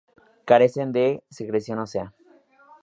Carecen de secreción ósea.